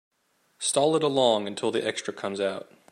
Stall it along until the extra comes out.